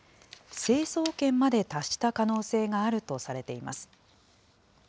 成層圏まで達した可能性があるとされています。